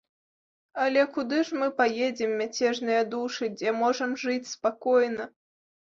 Але куды ж мы паедзем, мяцежныя душы, дзе можам жыць спакойна?